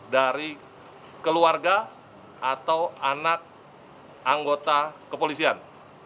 dari keluarga atau anak anggota kepolisian